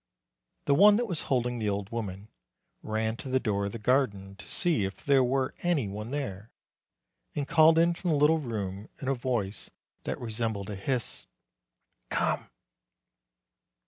The one that was holding the old woman ran to the door of the garden to see if there were any one there, and called in from the little room, in a voice that resembled a hiss, "Come!"